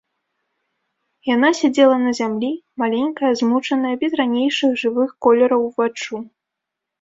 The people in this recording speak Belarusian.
Яна сядзела на зямлі, маленькая, змучаная, без ранейшых жывых колераў уваччу.